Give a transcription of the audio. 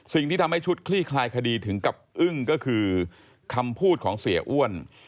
สิ่งที่ทำให้ชุดคลี่คลายคดีถึงกับอึ้งก็คือคำพูดของเสียอ้วน